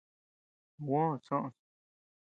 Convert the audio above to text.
Juó soʼös.